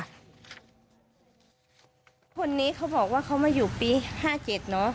คนนี้เขาบอกว่าเขามาอยู่ปี๕๗เนอะ